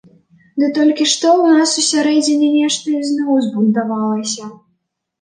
Ды толькі што ў нас усярэдзіне нешта ізноў збунтавалася.